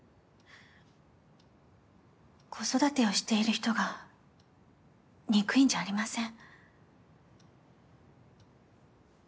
子育てをしている人が憎いんじゃありません。